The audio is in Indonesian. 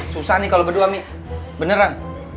susah nih kalau berdua mik beneran